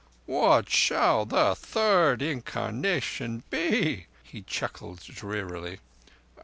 What shall the third incarnation be?" He chuckled drearily.